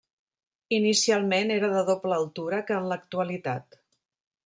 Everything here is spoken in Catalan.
Inicialment era de doble altura que en l'actualitat.